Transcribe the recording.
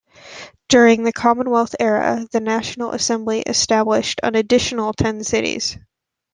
During the Commonwealth era, the National Assembly established an additional ten cities.